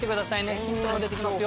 ヒントが出てきますよ。